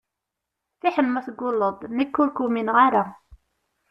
Fiḥel ma tegulleḍ-d, nekk ur k-umineɣ ara.